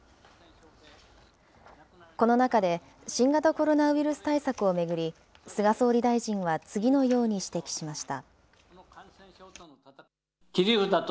この中で、新型コロナウイルス対策を巡り、菅総理大臣は次のように指摘しました。